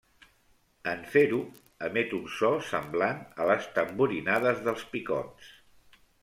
En fer-ho, emet un so semblant a les tamborinades dels picots.